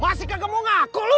masih gak mau ngaku lu